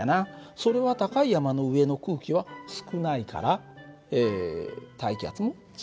それは高い山の上の空気は少ないから大気圧もちっちゃい。